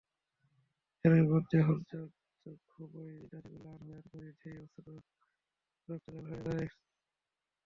এরই মধ্যে হযরত খুবাইব রাযিয়াল্লাহু আনহু-এর পরিধেয় বস্ত্র রক্তে লাল হয়ে যায়।